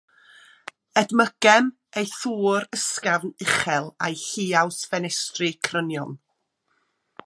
Edmygem ei thŵr ysgafn uchel a'i lliaws ffenestri crynion.